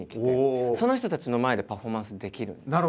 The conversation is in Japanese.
その人たちの前でパフォーマンスできるんですね。